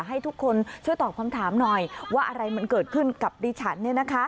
ให้ทุกคนช่วยตอบคำถามหน่อยว่าอะไรมันเกิดขึ้นกับดิฉัน